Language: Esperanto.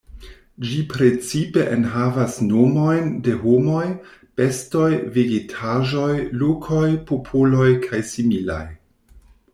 Ĝi precipe enhavas nomojn de homoj, bestoj, vegetaĵoj, lokoj, popoloj kaj similaj.